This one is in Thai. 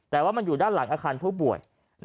แต่ว่ามันอยู่ด้านหลังอาคารผู้ป่วย